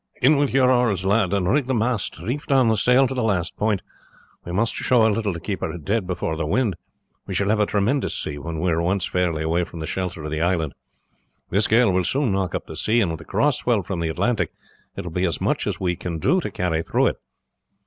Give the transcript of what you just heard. "In with your oars, lads, and rig the mast, reef down the sail to the last point; we must show a little to keep her dead before the wind; we shall have a tremendous sea when we are once fairly away from the shelter of the island. This gale will soon knock up the sea, and with the cross swell from the Atlantic it will be as much as we can do to carry through it."